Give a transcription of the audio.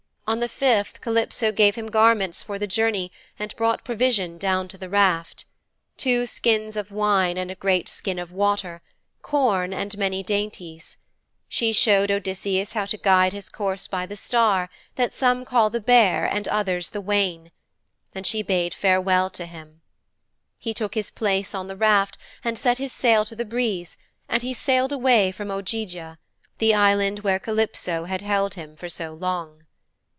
On the fifth Calypso gave him garments for the journey and brought provision down to the raft two skins of wine and a great skin of water; corn and many dainties. She showed Odysseus how to guide his course by the star that some call the Bear and others the Wain, and she bade farewell to him. He took his place on the raft and set his sail to the breeze and he sailed away from Ogygia, the island where Calypso had held him for so long.